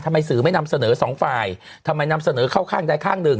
สื่อไม่นำเสนอสองฝ่ายทำไมนำเสนอเข้าข้างใดข้างหนึ่ง